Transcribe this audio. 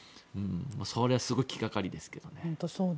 それはすごい気掛かりですけどね。